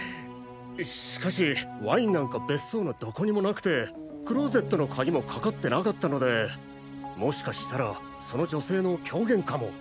しかしワインなんか別荘のどこにもなくてクローゼットの鍵もかかってなかったのでもしかしたらその女性の狂言かも。